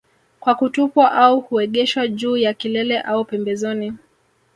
Kwa kutupwa au huegeshwa juu ya kilele au pembezoni